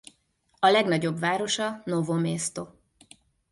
A legnagyobb városa Novo mesto.